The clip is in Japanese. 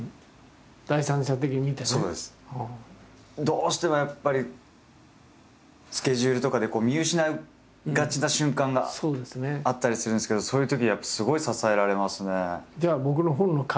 どうしてもやっぱりスケジュールとかで見失いがちな瞬間があったりするんですけどそういうときやっぱすごい支えられますね。